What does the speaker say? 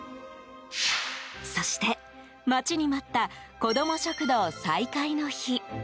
そして、待ちに待ったこども食堂再開の日。